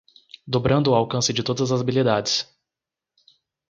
Dobrando o alcance de todas as habilidades